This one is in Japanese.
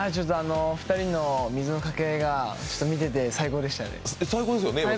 ２人の水のかけ合いが見てて最高でしたね。